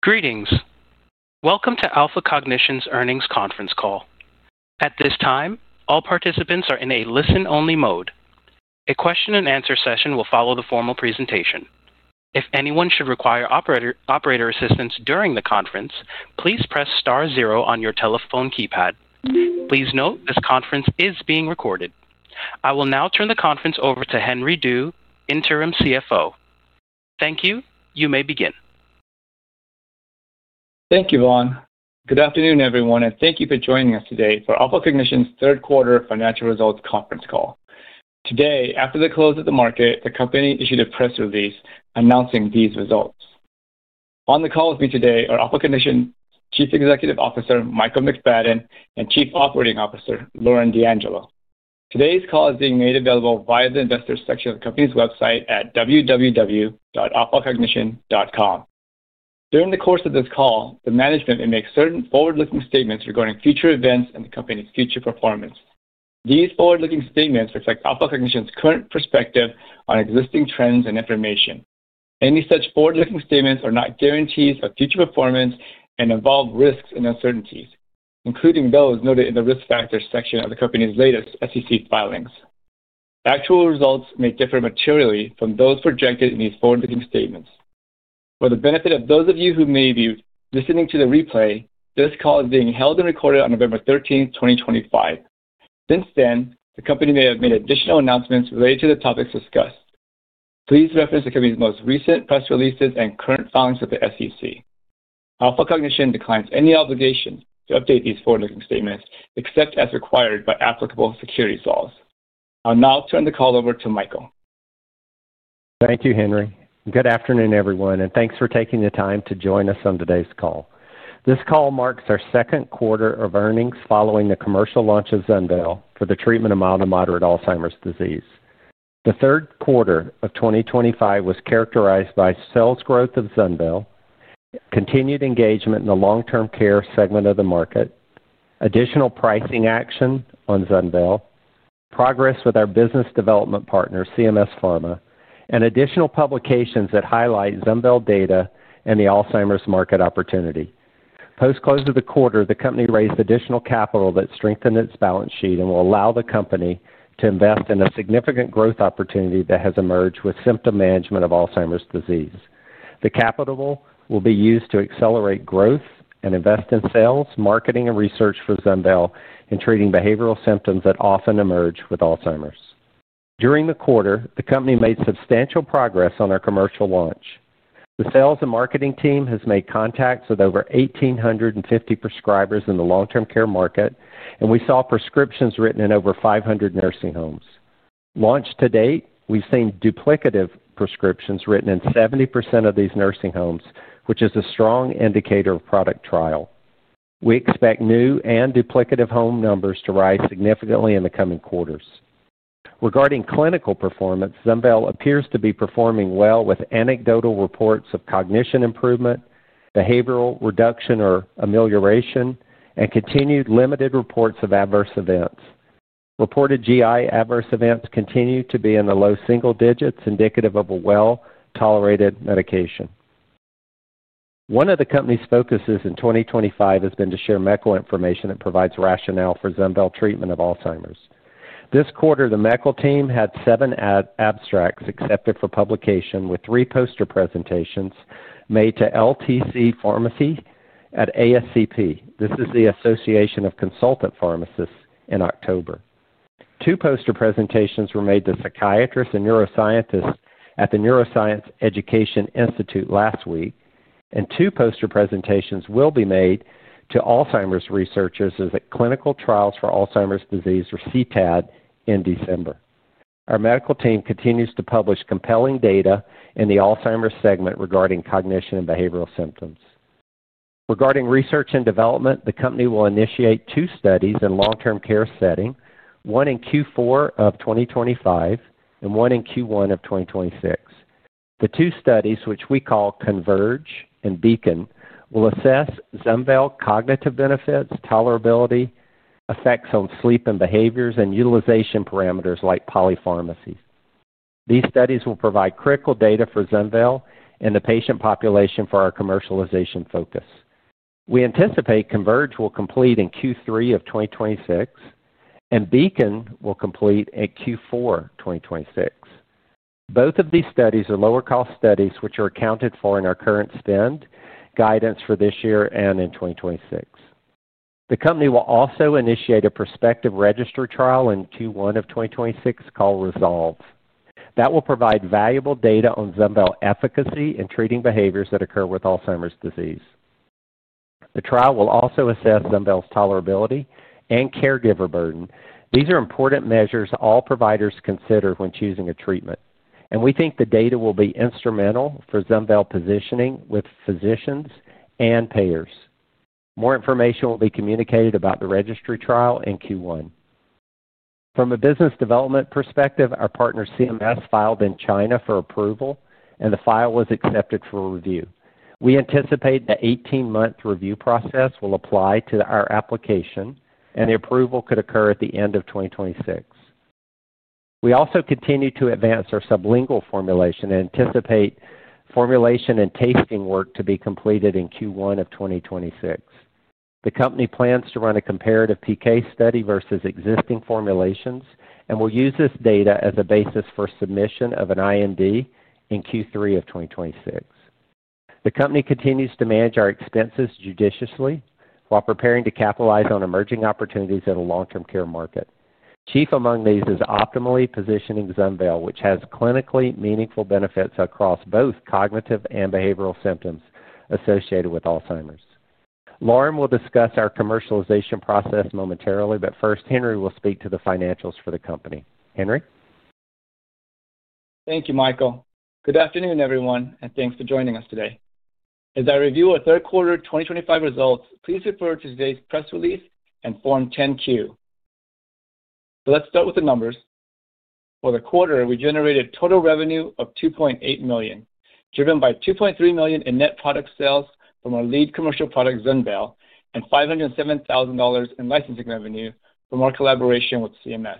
Greetings. Welcome to Alpha Cognition's Earnings Conference Call. At this time, all participants are in a listen-only mode. A question-and-answer session will follow the formal presentation. If anyone should require operator assistance during the conference, please press star zero on your telephone keypad. Please note this conference is being recorded. I will now turn the conference over to Henry Du, Interim CFO. Thank you. You may begin. Thank you, Vaughn. Good afternoon, everyone, and thank you for joining us today for Alpha Cognition's Third Quarter Financial Results Conference Call. Today, after the close of the market, the company issued a press release announcing these results. On the call with me today are Alpha Cognition, Chief Executive Officer, Michael McFadden, and Chief Operating Officer, Lauren D'Angelo. Today's call is being made available via the investor section of the company's website at www.alphacognition.com. During the course of this call, the management may make certain forward-looking statements regarding future events and the company's future performance. These forward-looking statements reflect Alpha Cognition's, current perspective on existing trends and information. Any such forward-looking statements are not guarantees of future performance and involve risks and uncertainties, including those noted in the risk factors section of the company's latest SEC filings. Actual results may differ materially from those projected in these forward-looking statements. For the benefit of those of you who may be listening to the replay, this call is being held and recorded on November 13, 2025. Since then, the company may have made additional announcements related to the topics discussed. Please reference the company's most recent press releases and current filings with the SEC. Alpha Cognition, declines any obligation to update these forward-looking statements except as required by applicable securities laws. I'll now turn the call over to Michael. Thank you, Henry. Good afternoon, everyone, and thanks for taking the time to join us on today's call. This call marks our second quarter, of earnings, following the commercial launch of ZUNVEYL, for the treatment of mild to moderate Alzheimer's disease. The third quarter, of 2025, was characterized by sales growth, of ZUNVEYL, continued engagement in the long-term care segment, of the market, additional pricing action on ZUNVEYL, progress with our business development partner, CMS Pharma, and additional publications that highlight ZUNVEYL data, and the Alzheimer's market opportunity. Post-close of the quarter, the company raised additional capital that strengthened its balance sheet and will allow the company to invest in a significant growth opportunity, that has emerged with symptom management of Alzheimer's disease. The capital will be used to accelerate growth and invest in sales, marketing, and research for ZUNVEYL, in treating behavioral symptoms, that often emerge with Alzheimer's. During the quarter, the company made substantial progress on our commercial launch. The sales and marketing team, has made contacts with over 1,850 prescribers, in the long-term care market, and we saw prescriptions written, in over 500 nursing homes. Launched to date, we've seen duplicative prescriptions written in 70%, of these nursing homes, which is a strong indicator of product trial. We expect new and duplicative home numbers to rise significantly in the coming quarters. Regarding clinical performance, ZUNVEYL, appears to be performing well with anecdotal reports of cognition improvement, behavioral reduction or amelioration, and continued limited reports of adverse events. Reported GI adverse events, continue to be in the low single digits, indicative of a well-tolerated medication. One of the company's focuses in 2025, has been to share medical information that provides rationale for ZUNVEYL, treatment of Alzheimer's. This quarter, the medical team, had seven abstracts, accepted for publication, with three, poster presentations made to long-term care pharmacy at ASCP. This is the Association of Consultant Pharmacists, in October. Two poster presentations were made to psychiatrist,s and neuroscientists, at the Neuroscience Education Institute, last week, and two poster presentations will be made to Alzheimer's researchers, as clinical trials for Alzheimer's disease, or CTAD, in December. Our medical team continues to publish compelling data in the Alzheimer's segment, regarding cognition and behavioral symptoms. Regarding research and development, the company will initiate two studies in long-term care setting, one in Q4, of 2025, and one in Q1,of 2026. The two studies, which we call CONVERGE and BEACON, will assess ZUNVEYL cognitive benefits, tolerability, effects on sleep and behaviors, and utilization parameters, like polypharmacy. These studies will provide critical data for ZUNVEYL, and the patient population for our commercialization focus. We anticipate CONVERGE, will complete in Q3, of 2026, and BEACON, will complete in Q4, 2026. Both of these studies are lower-cost studies, which are accounted for, in our current spend guidance for this year and in 2026. The company will also initiate a prospective registry trial, in Q1, of 2026, called RESOLVE. That will provide valuable data on ZUNVEYL efficacy, in treating behaviors that occur with Alzheimer's disease. The trial will also assess ZUNVEYL's tolerability, and caregiver burden. These are important measures all providers consider when choosing a treatment, and we think the data will be instrumental for ZUNVEYL, positioning with physicians and payers. More information will be communicated about the registry trial in Q1. From a business development perspective, our partner CMS Pharma, filed in China, for approval, and the file was accepted for review. We anticipate the 18-month review process, will apply to our application, and the approval could occur at the end of 2026. We also continue to advance our sublingual formulation, and anticipate formulation and tasting work to be completed in Q1, of 2026. The company plans to run a comparative PK study, versus existing formulations and will use this data as a basis for submission of an IND, in Q3, of 2026. The company continues to manage our expenses, judiciously while preparing to capitalize on emerging opportunities in the long-term care market. Chief, among these is optimally positioning ZUNVEYL, which has clinically meaningful benefits across both cognitive and behavioral symptoms associated with Alzheimer's. Lauren will discuss our commercialization process momentarily, but first, Henry, will speak to the financials for the company. Henry? Thank you, Michael. Good afternoon, everyone, and thanks for joining us today. As I review our third quarter 2025 results, please refer to today's press release and Form 10-Q. Let's start with the numbers. For the quarter, we generated total revenue of $2.8 million, driven by $2.3 million in net product sales from our lead commercial product, ZUNVEYL, and $507,000 in licensing revenue from our collaboration with CMS Pharma.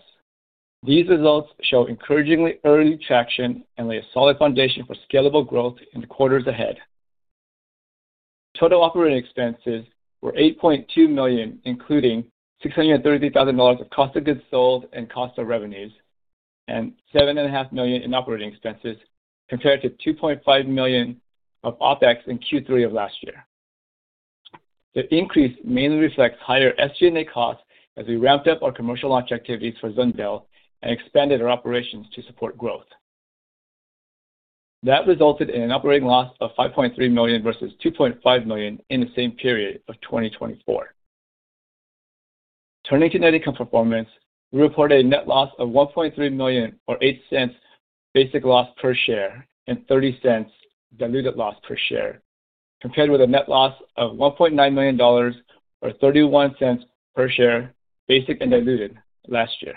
These results show encouragingly early traction and lay a solid foundation for scalable growth in the quarters ahead. Our total operating expenses were $8.2 million, including $633,000 of cost of goods sold and cost of revenues, and $7.5 million in operating expenses, compared to $2.5 million of operating expenses in Q3 of last year. The increase mainly reflects higher SG&A costs as we ramped up our commercial launch activities for ZUNVEYL and expanded our operations to support growth. That resulted in an operating loss of $5.3 million versus $2.5 million in the same period of 2024. Turning to net income performance, we reported a net loss of $1.3 million, or $0.08 basic loss per share, and $0.30 diluted loss per share, compared with a net loss of $1.9 million, or $0.31 per share, basic and diluted, last year.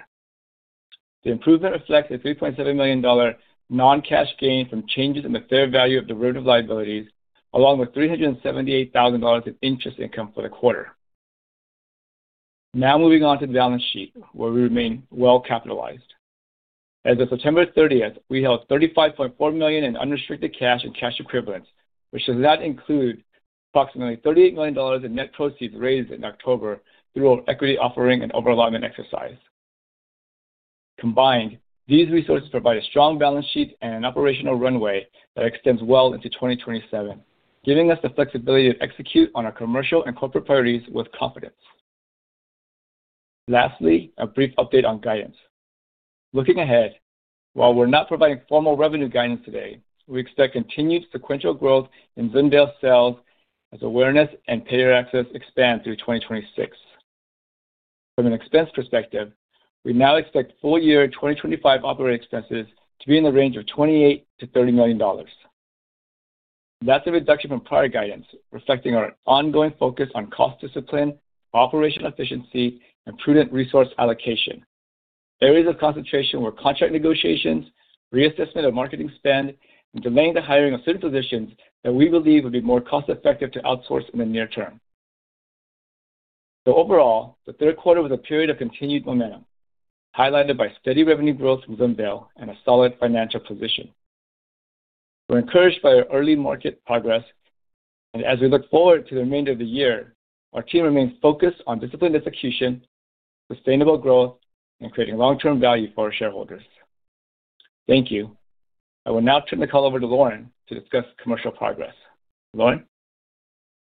The improvement reflects a $3.7 million non-cash gain from changes in the fair value of derivative liabilities, along with $378,000 in interest income for the quarter. Now moving on to the balance sheet, where we remain well-capitalized. As of September 30, we held $35.4 million in unrestricted cash and cash equivalents, which does not include approximately $38 million in net proceeds raised in October through our equity offering and overall alignment exercise. Combined, these resources provide a strong balance sheet and an operational runway that extends well into 2027, giving us the flexibility to execute on our commercial and corporate priorities with confidence. Lastly, a brief update on guidance. Looking ahead, while we're not providing formal revenue guidance today, we expect continued sequential growth in ZUNVEYL's sales as awareness and payer access expand through 2026. From an expense perspective, we now expect full-year 2025 operating expenses to be in the range of $28-$30 million. That's a reduction from prior guidance, reflecting our ongoing focus on cost discipline, operational efficiency, and prudent resource allocation. Areas of concentration were contract negotiations, reassessment of marketing spend, and delaying the hiring of certain positions that we believe would be more cost-effective to outsource in the near term. Overall, the third quarter was a period of continued momentum, highlighted by steady revenue growth from ZUNVEYL and a solid financial position. We're encouraged by our early market progress, and as we look forward to the remainder of the year, our team remains focused on discipline execution, sustainable growth, and creating long-term value for our shareholders. Thank you. I will now turn the call over to Lauren to discuss commercial progress. Lauren?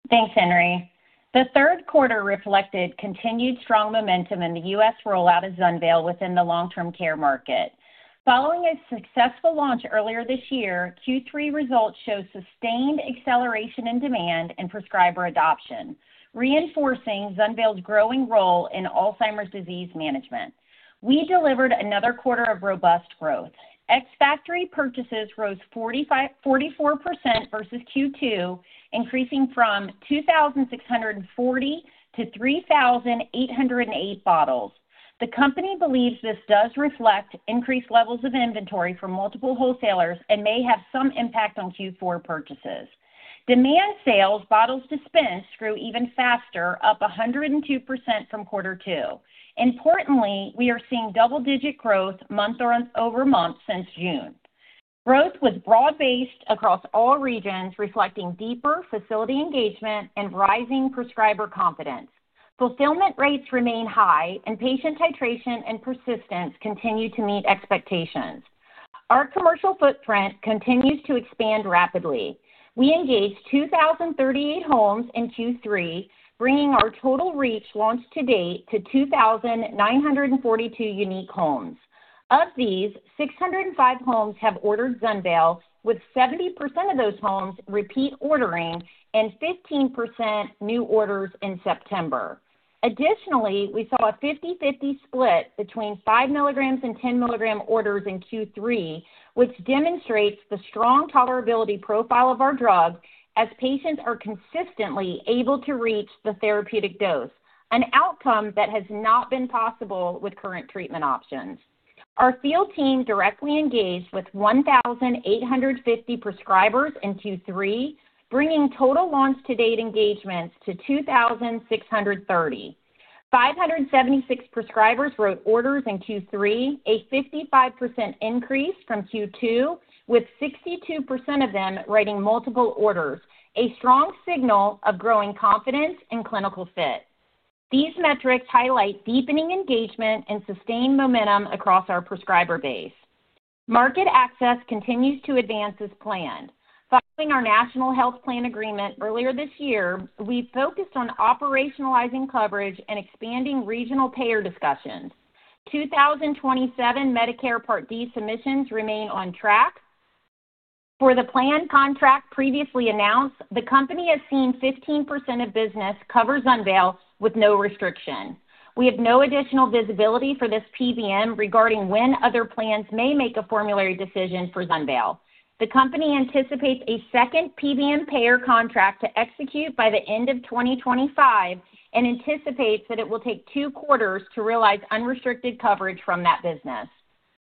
Thanks, Henry. The third quarter, reflected continued strong momentum in the U.S. rollout of ZUNVEYL, within the long-term care market. Following a successful launch earlier this year, Q3 results, showed sustained acceleration in demand and prescriber adoption, reinforcing ZUNVEYL's, growing role in Alzheimer's disease management. We delivered another quarter, of robust growth. Ex-factory purchases rose 44%, versus Q2, increasing from 2,640 to 3,808 bottles. The company believes this does reflect increased levels of inventory, for multiple wholesalers, and may have some impact on Q4, purchases. Demand sales, bottles dispensed grew even faster, up 102%, from quarter two. Importantly, we are seeing double-digit growth month over month since June. Growth was broad-based across all regions, reflecting deeper facility engagement and rising prescriber confidence. Fulfillment rates remain high, and patient titration, and persistence continue to meet expectations. Our commercial footprint continues to expand rapidly. We engaged 2,038 homes in Q3, bringing our total reach launched to date to 2,942 unique homes. Of these, 605 homes have ordered ZUNVEYL, with 70% of those homes repeat ordering and 15% new orders in September. Additionally, we saw a 50/50 split between 5 mg and 10 mg orders in Q3, which demonstrates the strong tolerability profile of our drug as patients are consistently able to reach the therapeutic dose, an outcome that has not been possible with current treatment options. Our field team directly engaged with 1,850 prescribers in Q3, bringing total launch-to-date engagements to 2,630. 576 prescribers wrote orders in Q3, a 55% increase from Q2, with 62% of them writing multiple orders, a strong signal of growing confidence and clinical fit. These metrics highlight deepening engagement and sustained momentum across our prescriber base. Market access, continues to advance as planned. Following our National Health Plan agreement, earlier this year, we focused on operationalizing coverage and expanding regional payer discussions. 2027 Medicare, Part D, submissions remain on track. For the planned contract, previously announced, the company has seen 15%, of business cover ZUNVEYL, with no restriction. We have no additional visibility for this PBM, regarding when other plans may make a formulary decision for ZUNVEYL. The company anticipates a second PBM payer contract, to execute by the end of 2025 and anticipates that it will take two quarters, to realize unrestricted coverage from that business.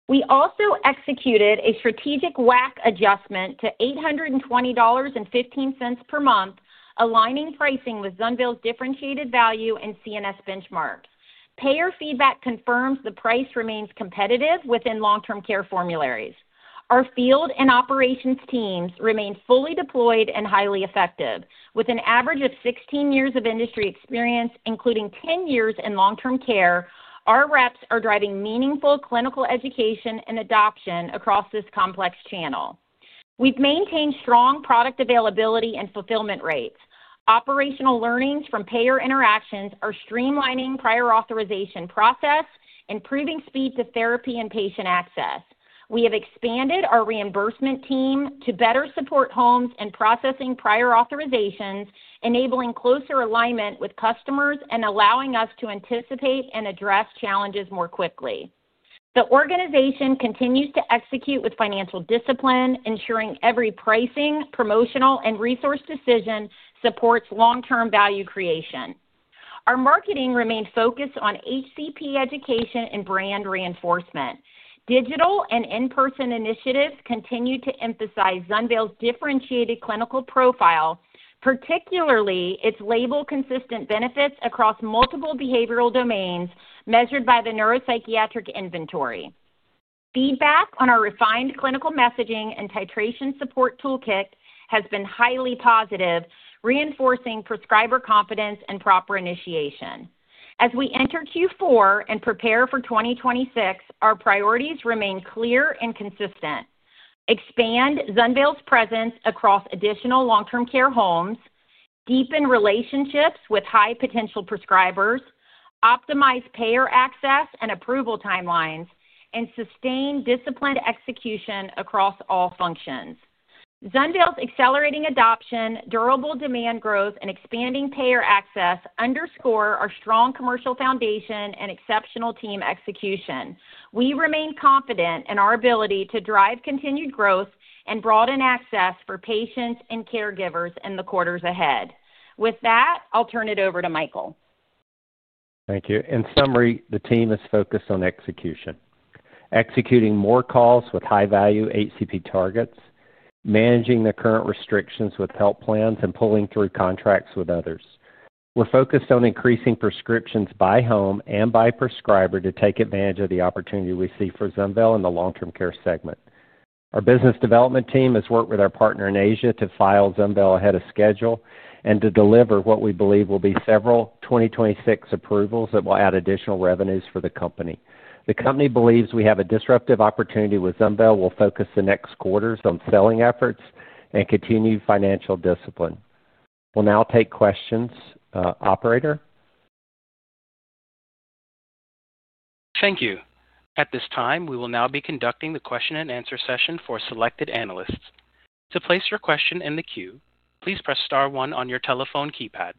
We also executed a strategic WAC adjustment, to $820.15 per month, aligning pricing with ZUNVEYL's, differentiated value and CNS benchmarks. Payer feedback confirms the price remains competitive within long-term care formularies. Our field and operations teams remain fully deployed and highly effective. With an average of 16 years of industry experience, including 10 years, in long-term care, our reps are driving meaningful clinical education, and adoption across this complex channel. We have maintained strong product availability and fulfillment rates. Operational learnings, from payer interactions are streamlining prior authorization process, improving speed to therapy and patient access. We have expanded our reimbursement team to better support homes in processing prior authorizations, enabling closer alignment with customers and allowing us to anticipate and address challenges more quickly. The organization continues to execute with financial discipline, ensuring every pricing, promotional, and resource decision supports long-term value creation. Our marketing remains focused on HCP education, and brand reinforcement. Digital and in-person initiatives, continue to emphasize ZUNVEYL's, differentiated clinical profile, particularly its label-consistent benefits across multiple behavioral domains, measured by the Neu, ropsychiatric Inventory. Feedback on our refined clinical messaging and titration support toolkit has been highly positive, reinforcing prescriber confidence and proper initiation. As we enter Q4, and prepare for 2026, our priorities remain clear and consistent: expand ZUNVEYL's presence, across additional long-term care homes, deepen relationships with high-potential prescribers, optimize payer access and approval timelines, and sustain disciplined execution across all functions. ZUNVEYL's accelerating adoption, durable demand growth, and expanding payer access underscore our strong commercial foundation and exceptional team execution. We remain confident in our ability to drive continued growth and broaden access for patients and caregivers in the quarters ahead. With that, I'll turn it over to Michael. Thank you. In summary, the team is focused on execution: executing more calls with high-value HCP targets, managing the current restrictions with health plans, and pulling through contracts with others. We're focused on increasing prescriptions by home and by prescriber to take advantage of the opportunity we see for ZUNVEYL, in the long-term care segment. Our business development team has worked with our partner in Asia, to file ZUNVEYL, ahead of schedule and to deliver what we believe will be several 2026 approvals that will add additional revenues, for the company. The company believes we have a disruptive opportunity with ZUNVEYL. We'll focus the next quarters on selling efforts and continued financial discipline. We'll now take questions. Operator? Thank you. At this time, we will now be conducting the question-and-answer session for selected analysts. To place your question in the queue, please press star one on your telephone keypad.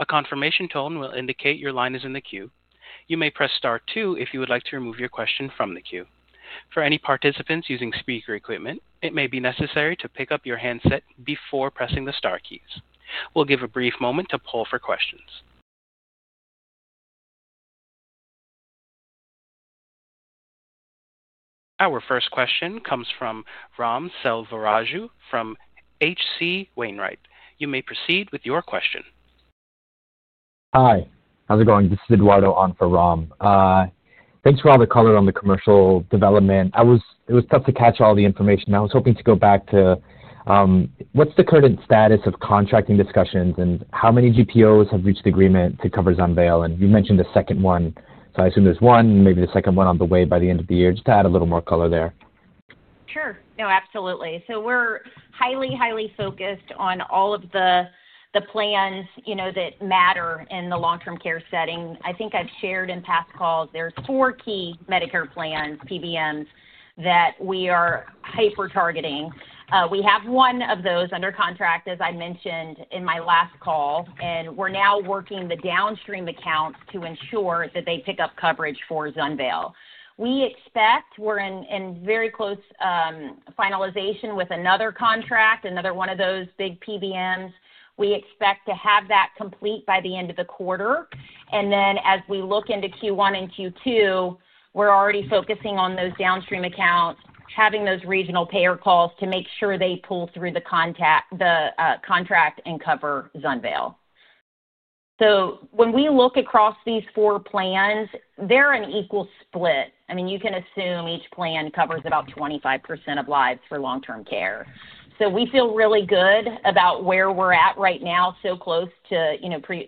A confirmation tone will indicate your line is in the queue. You may press star two if you would like to remove your question from the queue. For any participants using speaker equipment, it may be necessary to pick up your handset before pressing the star keys. We'll give a brief moment to poll for questions. Our first question comes from Ram Selvaraju, from HC Wainwright. You may proceed with your question. Hi. How's it going? This is Eduardo, on for Ram. Thanks for all the color on the commercial development. It was tough to catch all the information. I was hoping to go back to what's the current status of contracting discussions and how many GPOs, have reached agreement to cover ZUNVEYL. You mentioned the second one, so I assume there's one, maybe the second one on the way by the end of the year, just to add a little more color there. Sure. No, absolutely. We are highly, highly focused on all of the plans that matter in the long-term care setting. I think I've shared in past calls there's four key Medicare plans, PBMs, that we are hyper-targeting. We have one of those under contract, as I mentioned in my last call, and we are now working the downstream accounts to ensure that they pick up coverage for ZUNVEYL. We expect we are in very close finalization with another contract, another one of those big PBMs. We expect to have that complete by the end of the quarter. As we look into Q1 and Q2, we are already focusing on those downstream accounts, having those regional payer calls to make sure they pull through the contract and cover ZUNVEYL. When we look across these four plans, they are an equal split. I mean, you can assume each plan covers about 25%, of lives for long-term care. We feel really good about where we're at right now, so close to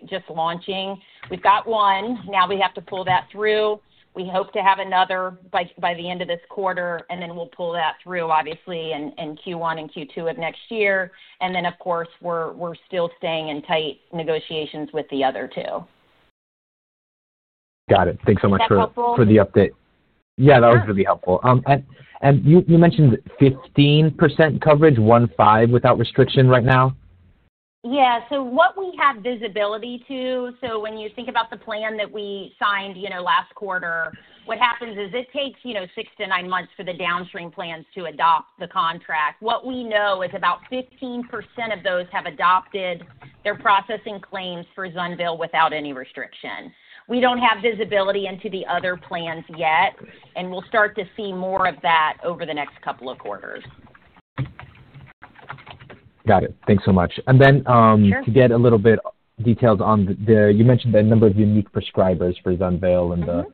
just launching. We've got one. Now we have to pull that through. We hope to have another by the end of this quarter, and then we'll pull that through, obviously, in Q1 and Q2 ,of next year. Of course, we're still staying in tight negotiations with the other two. Got it. Thanks so much for the update. Very helpful. Yeah, that was really helpful. You mentioned 15% coverage, one five, without restriction right now? Yeah. So what we have visibility to, so when you think about the plan that we signed last quarter, what happens is it takes six to nine months, for the downstream plans to adopt the contract. What we know is about 15%, of those have adopted, they are processing claims for ZUNVEYL, without any restriction. We do not have visibility into the other plans yet, and we will start to see more of that over the next couple of quarters. Got it. Thanks so much. To get a little bit details on the, you mentioned the number of unique prescribers for ZUNVEYL, and the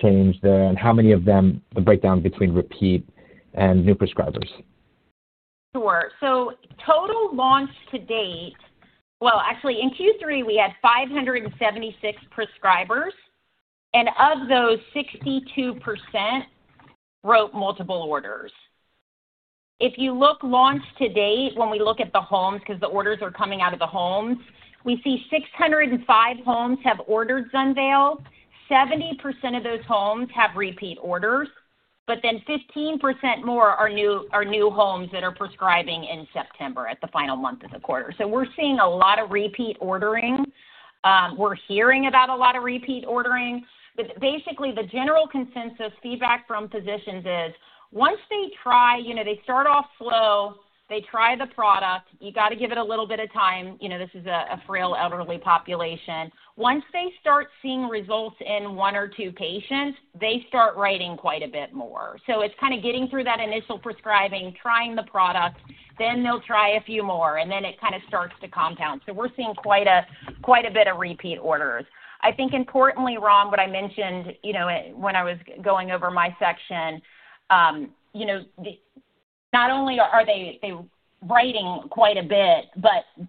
change there, and how many of them, the breakdown between repeat and new prescribers. Sure. Total launch to date, actually, in Q3, we had 576 prescribers, and of those, 62%, wrote multiple orders. If you look launch to date, when we look at the homes, because the orders are coming out of the homes, we see 605, homes have ordered ZUNVEYL. 70%, of those homes have repeat orders, but then 15%, more are new homes that are prescribing in September, at the final month of the quarter. We are seeing a lot of repeat ordering. We are hearing about a lot of repeat ordering. Basically, the general consensus feedback from physicians is once they try, they start off slow, they try the product, you have to give it a little bit of time. This is a frail elderly population. Once they start seeing results in one or two patients, they start writing quite a bit more. It's kind of getting through that initial prescribing, trying the product, then they'll try a few more, and then it kind of starts to compound. We're seeing quite a bit of repeat orders. I think importantly, Ram, what I mentioned when I was going over my section, not only are they writing quite a bit, but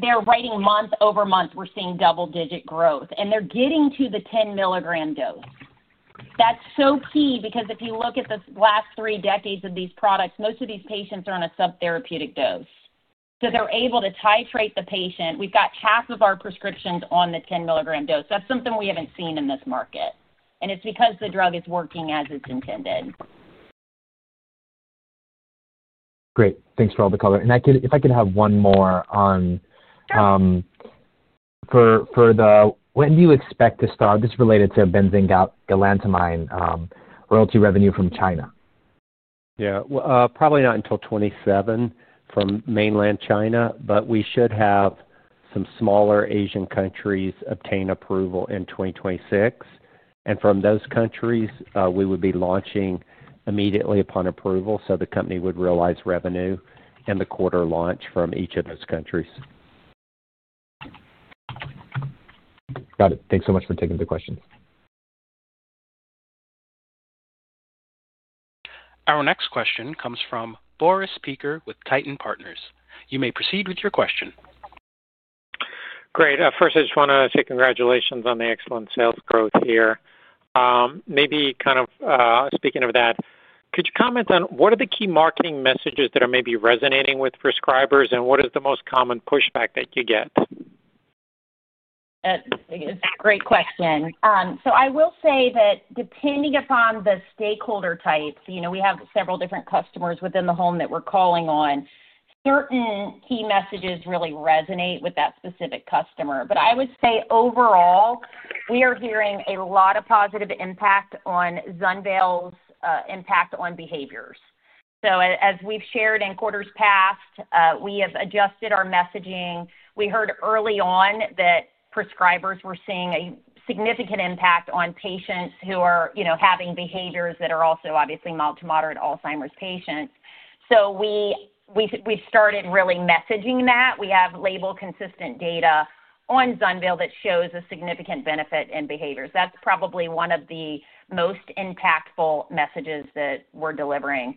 they're writing month over month. We're seeing double-digit growth, and they're getting to the 10 mg dose. That's so key because if you look at the last three decades, of these products, most of these patients are on a subtherapeutic dose. They're able to titrate the patient. We've got half of our prescriptions on the 10 mg dose. That's something we haven't seen in this market, and it's because the drug is working as it's intended. Great. Thanks for all the color. If I could have one more, when do you expect to start? This is related to galantamine, royalty revenue, from China. Yeah. Probably not until 2027, from mainland China, but we should have some smaller Asian countries, obtain approval in 2026. From those countries, we would be launching immediately upon approval so the company would realize revenue in the quarter launch from each of those countries. Got it. Thanks so much for taking the questions. Our next question comes from Boris Peaker, with Titan Partners. You may proceed with your question. Great. First, I just want to say congratulations on the excellent sales growth here. Maybe kind of speaking of that, could you comment on what are the key marketing messages that are maybe resonating with prescribers, and what is the most common pushback that you get? That's a great question. I will say that depending upon the stakeholder type, we have several different customers within the home that we're calling on. Certain key messages really resonate with that specific customer. I would say overall, we are hearing a lot of positive impact on ZUNVEYL's impact, on behaviors. As we've shared in quarters past, we have adjusted our messaging. We heard early on that prescribers were seeing a significant impact on patients who are having behaviors that are also obviously mild to moderate Alzheimer's, patients. We've started really messaging that. We have label-consistent data on ZUNVEYL, that shows a significant benefit in behaviors. That's probably one of the most impactful messages that we're delivering.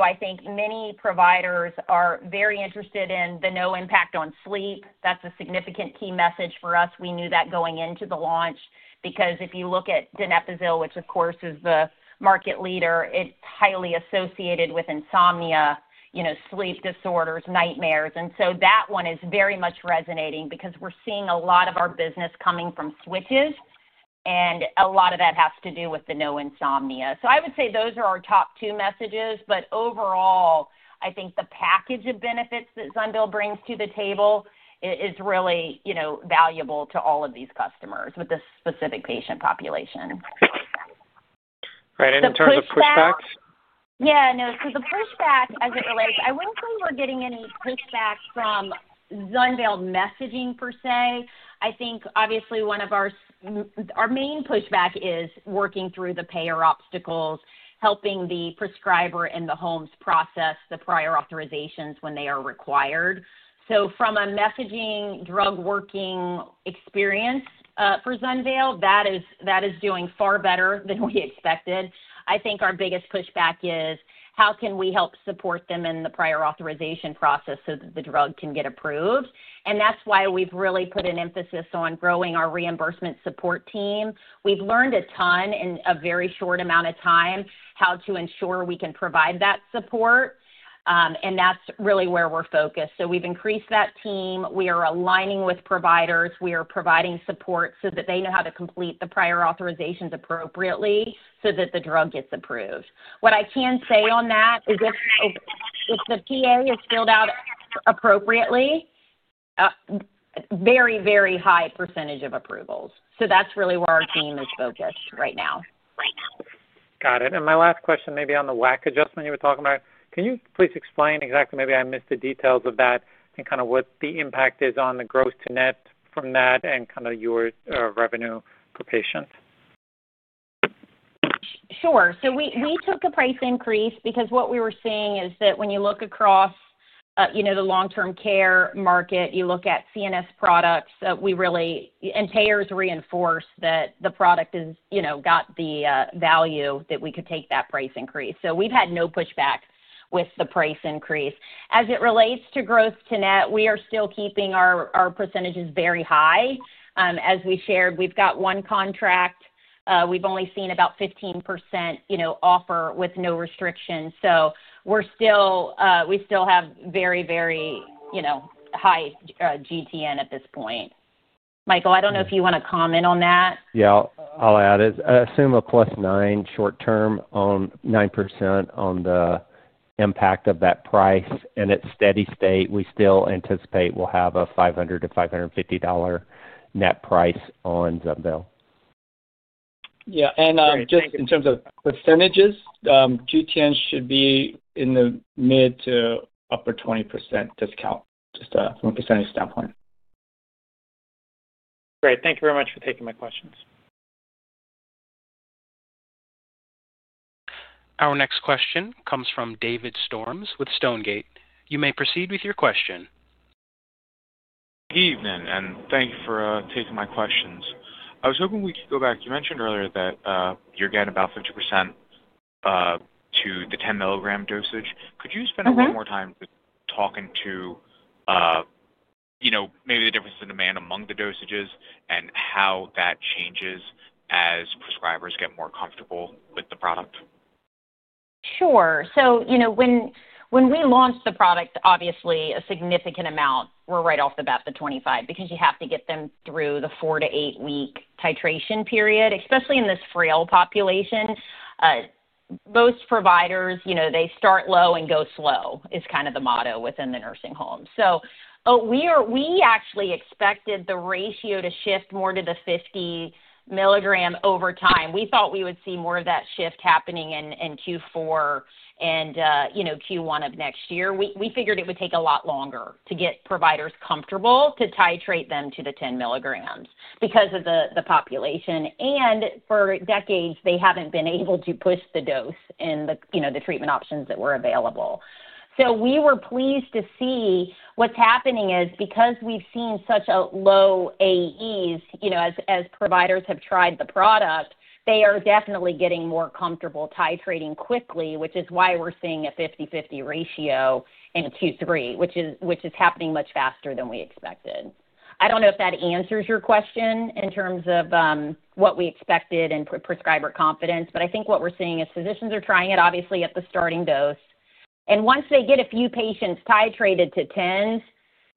I think many providers are very interested in the no impact on sleep. That's a significant key message for us. We knew that going into the launch because if you look at donepezil, which of course is the market leader, it's highly associated with insomnia, sleep disorders, nightmares. That one is very much resonating because we're seeing a lot of our business coming from switches, and a lot of that has to do with the no insomnia. I would say those are our top two messages. Overall, I think the package of benefits that ZUNVEYL, brings to the table is really valuable to all of these customers with this specific patient population. Rdight. In terms of pushback? Yeah. No. The pushback as it relates, I would not say we are getting any pushback from ZUNVEYL, messaging per se. I think obviously one of our main pushbacks, is working through the payer obstacles, helping the prescriber and the homes process the prior authorizations when they are required. From a messaging drug-working experience for ZUNVEYL, that is doing far better than we expected. I think our biggest pushback is how can we help support them in the prior authorization process so that the drug can get approved? That is why we have really put an emphasis on growing our reimbursement support team. We have learned a ton in a very short amount of time how to ensure we can provide that support, and that is really where we are focused. We have increased that team. We are aligning with providers. We are providing support so that they know how to complete the prior authorizations appropriately so that the drug gets approved. What I can say on that is if the PA, is filled out appropriately, very, very high percentage of approvals. That is really where our team is focused right now. Got it. My last question maybe on the WAC adjustment, you were talking about. Can you please explain exactly? Maybe I missed the details of that and kind of what the impact is on the gross to net from that and kind of your revenue per patient. Sure. We took a price increase because what we were seeing is that when you look across the long-term care market, you look at CNS products, and payers reinforce that the product got the value that we could take that price increase. We have had no pushback with the price increase. As it relates to gross to net, we are still keeping our percentages very high. As we shared, we have one contract. We have only seen about 15%, offer with no restrictions. We still have very, very high GTN, at this point. Michael, I do not know if you want to comment on that. Yeah. I'll add it. I assume a plus nine short term on 9%, on the impact of that price and its steady state. We still anticipate we'll have a $500-$550 net price, on ZUNVEYL. Yeah. In terms of percentages, GTN, should be in the mid to upper 20% discount, just from a percentage standpoint. Great. Thank you very much for taking my questions. Our next question comes from David Storms, with Stonegate. You may proceed with your question. Good evening, and thank you for taking my questions. I was hoping we could go back. You mentioned earlier that you're getting about 50%, to the 10 mg dosage. Could you spend a little more time talking to maybe the difference in demand among the dosages and how that changes as prescribers get more comfortable with the product? Sure. When we launched the product, obviously a significant amount were right off the bat the 25, because you have to get them through the four- to eight-week titration period, especially in this frail population. Most providers, they start low and go slow is kind of the motto within the nursing home. We actually expected the ratio to shift more to the 50 mg over time. We thought we would see more of that shift happening in Q4 and Q1, of next year. We figured it would take a lot longer to get providers comfortable to titrate them to the 10 mg, because of the population. For decades, they have not been able to push the dose in the treatment options that were available. We were pleased to see what's happening is because we've seen such a low AEs, as providers have tried the product, they are definitely getting more comfortable titrating quickly, which is why we're seeing a 50/50 ratio, in Q3, which is happening much faster than we expected. I don't know if that answers your question in terms of what we expected and prescriber confidence, but I think what we're seeing is physicians are trying it, obviously, at the starting dose. And once they get a few patients titrated to 10s,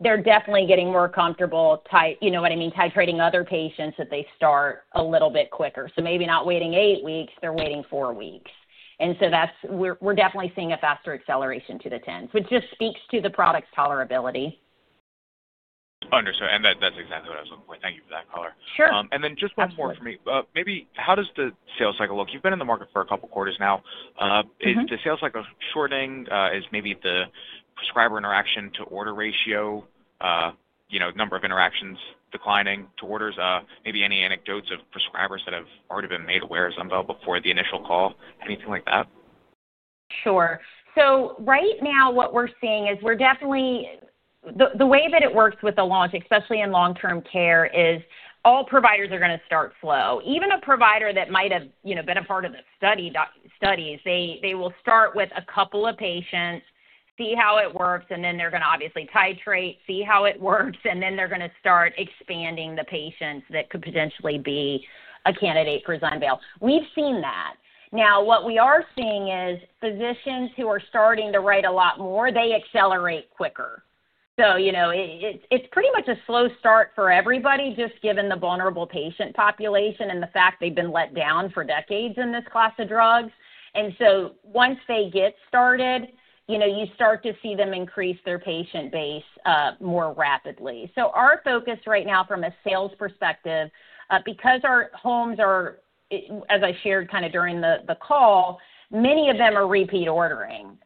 they're definitely getting more comfortable, you know what I mean, titrating other patients that they start a little bit quicker. Maybe not waiting eight weeks, they're waiting four weeks. We're definitely seeing a faster acceleration to the 10s, which just speaks to the product's tolerability. Understood. That is exactly what I was looking for. Thank you for that, Laura. Sure. Just one more for me. Maybe how does the sales cycle look? You've been in the market for a couple of quarters now. Is the sales cycle shortening? Is maybe the prescriber interaction to order ratio, number of interactions declining to orders? Maybe any anecdotes of prescribers that have already been made aware of ZUNVEYL, before the initial call? Anything like that? Sure. Right now, what we're seeing is we're definitely, the way that it works with the launch, especially in long-term care, is all providers are going to start slow. Even a provider that might have been a part of the studies, they will start with a couple of patients, see how it works, and then they're going to obviously titrate, see how it works, and then they're going to start expanding the patients that could potentially be a candidate for ZUNVEYL. We've seen that. Now, what we are seeing is physicians who are starting to write a lot more, they accelerate quicker. It is pretty much a slow start for everybody, just given the vulnerable patient population and the fact they've been let down for decades in this class of drugs. Once they get started, you start to see them increase their patient base more rapidly. Our focus right now from a sales perspective, because our homes are, as I shared kind of during the call, many of them are repeat ordering.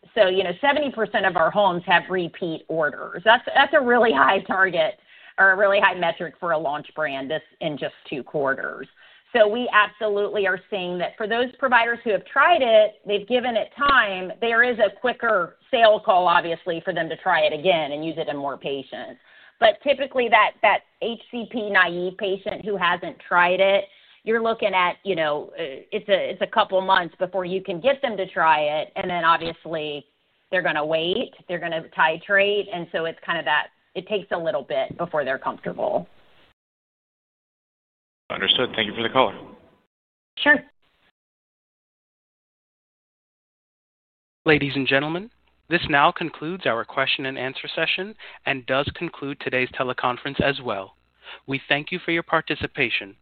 Seventy percent, of our homes have repeat orders. That is a really high target or a really high metric, for a launch brand in just two quarters. We absolutely are seeing that for those providers who have tried it, they have given it time, there is a quicker sales call, obviously, for them to try it again and use it in more patients. Typically, that HCP naive patient, who has not tried it, you are looking at a couple of months before you can get them to try it. Obviously, they are going to wait. They are going to titrate. It takes a little bit before they are comfortable. Understood. Thank you for the call. Sure. Ladies and gentlemen, this now concludes our question and answer session and does conclude today's teleconference as well. We thank you for your participation.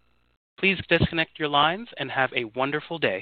Please disconnect your lines and have a wonderful day.